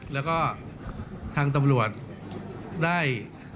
แล้วก็ทางตำรวจได้